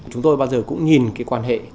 chúng tôi bao giờ cũng nhìn cái quan hệ